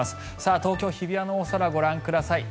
東京・日比谷のお空ご覧ください。